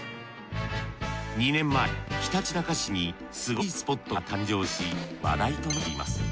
２年前ひたちなか市にすごいスポットが誕生し話題となっています。